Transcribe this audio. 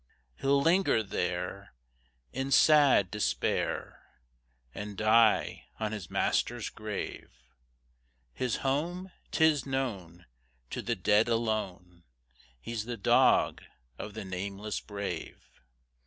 He'll linger there In sad despair And die on his master's grave. His home? 'tis known To the dead alone, He's the dog of the nameless brave!